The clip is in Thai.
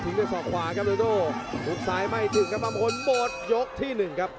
ด้วยศอกขวาครับโรโดหุบซ้ายไม่ถึงครับบางคนหมดยกที่หนึ่งครับ